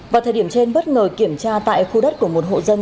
vào thời điểm trên bất ngờ kiểm tra tại khu đất của một hộ dân